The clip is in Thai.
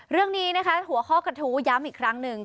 เรื่องนี้นะคะหัวข้อกระทู้ย้ำอีกครั้งหนึ่ง